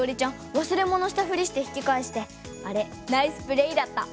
わすれ物したフリして引き返してあれナイスプレーだった！